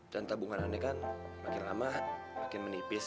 dan tabungan aneh kan makin lama makin menipis